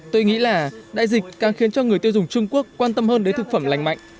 tôi nghĩ là đại dịch càng khiến cho người tiêu dùng trung quốc quan tâm hơn đến thực phẩm lành mạnh